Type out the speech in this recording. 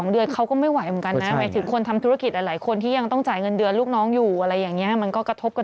เดี๋ยวเขาคงจะประกาศมาเรื่อยนะค่ะ